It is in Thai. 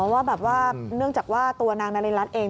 ว่าแบบว่าเนื่องจากว่าตัวนางนาริรัฐเอง